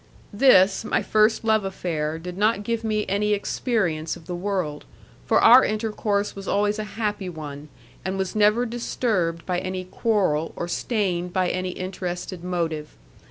This, my first love affair, did not give me any experience of the world, for our intercourse was always a happy one, and was never disturbed by any quarrel or stained by any interested motive.